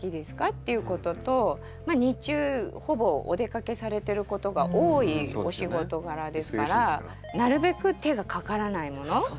っていうことと日中ほぼお出かけされてることが多いお仕事柄ですからなるべく手がかからないもの